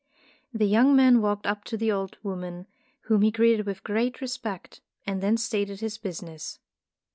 The young man walked up to the old woman, whom he greeted with great re spect, and then stated his business.